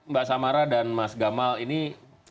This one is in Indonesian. mbak samara dan mas gamal ini sama sama seperti itu